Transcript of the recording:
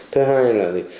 thứ hai là gì